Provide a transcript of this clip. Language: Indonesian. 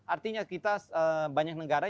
artinya kita banyak negara